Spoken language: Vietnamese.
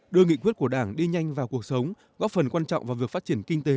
đưa nghị quyết của đảng đi nhanh vào cuộc sống góp phần quan trọng vào việc phát triển kinh tế